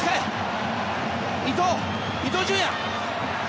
伊東純也！